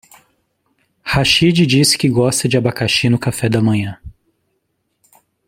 Rachid disse que gosta de abacaxi no café da manhã.